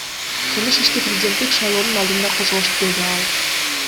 Кылмыш ишти президенттик шайлоонун алдында козгошту, — деди ал.